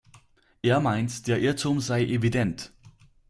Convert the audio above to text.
Er meint, der Irrtum sei evident.